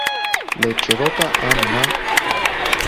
Lê çîrok e, an na?